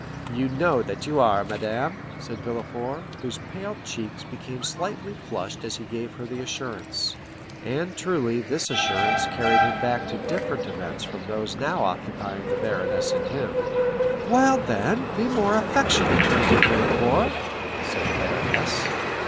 "You know that you are, madame," said Villefort, whose pale cheeks became slightly flushed as he gave her the assurance. And truly this assurance carried him back to different events from those now occupying the baroness and him. "Well, then, be more affectionate, my dear Villefort," said the baroness.